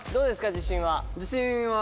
自信は。